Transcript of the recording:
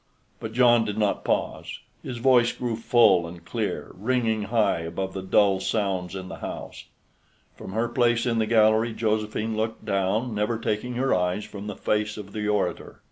But John did not pause; his voice grew full and clear, ringing high above the dull sounds in the house. From her place in the gallery Josephine looked down, never taking her eyes from the face of the orator.